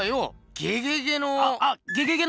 ゲゲゲのゲ！